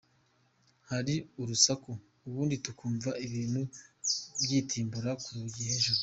Hari urusaku, ubundi tukumva ibintu byitimbura ku rugi hejuru.